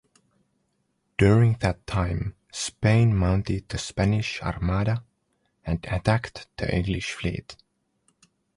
During that time Spain mounted the Spanish Armada and attacked the English fleet.